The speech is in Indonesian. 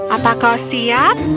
apa kau siap